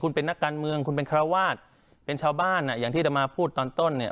คุณเป็นนักการเมืองคุณเป็นคาราวาสเป็นชาวบ้านอ่ะอย่างที่จะมาพูดตอนต้นเนี่ย